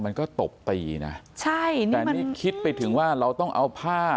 ตบตีนะใช่นะแต่นี่คิดไปถึงว่าเราต้องเอาผ้า